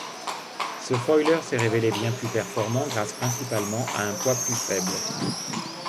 Ce foiler s’est révélé bien plus performant, grâce principalement à un poids plus faible.